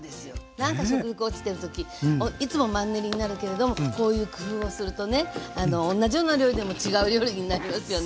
なんか食欲落ちてる時いつもマンネリになるけれどもこういう工夫をするとね同じような料理でも違う料理になりますよね。